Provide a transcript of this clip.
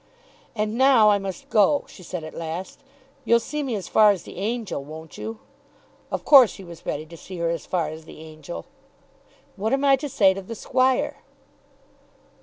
"And now I must go," she said at last. "You'll see me as far as the Angel, won't you?" Of course he was ready to see her as far as the Angel. "What am I to say to the Squire?"